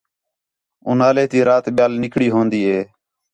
اُنہالے تی رات ٻِیال نِکڑی ہون٘دی ہِے